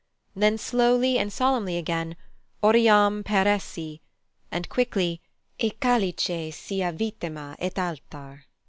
Then slowly and solemnly again, "Oriam per essi," and quickly, "e calice sia vittima ed altar."